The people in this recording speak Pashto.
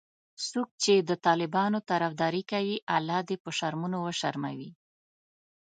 څوک چې د طالبانو طرفداري کوي الله دي په شرمونو وشرموي